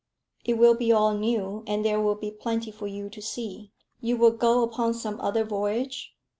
"It will be all new, and there will be plenty for you to see." "You will go upon some other voyage?"